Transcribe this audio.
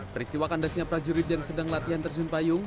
peristiwa kandasnya prajurit yang sedang latihan terjun payung